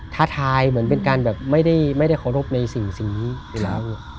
ท้าทายเหมือนเป็นการแบบไม่ได้เคารพในสิ่งนี้อยู่แล้ว